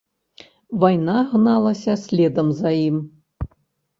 Вайна гналася следам за ім.